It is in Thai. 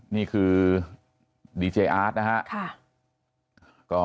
นี่คือดีเจอาร์ทนะฮะค่ะ